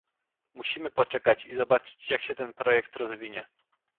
Musimy poczekać i zobaczyć jak się ten projekt rozwinie